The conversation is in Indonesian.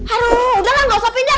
aduh udah lah gak usah pindah